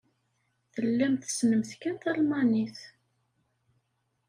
Tellamt tessnemt kan talmanit.